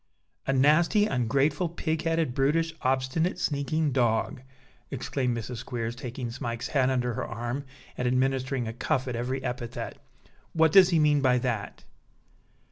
"A nasty, ungrateful, pig headed, brutish, obstinate, sneaking dog," exclaimed Mrs. Squeers, taking Smike's head under her arm and administering a cuff at every epithet; "what does he mean by that?"